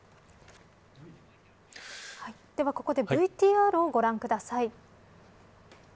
ではここでＶＴＲをご覧ください。